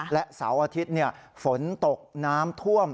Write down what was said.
และเสาร์อาทิตย์ฝนตกน้ำท่วม